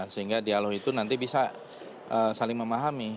sehingga dialog itu nanti bisa saling memahami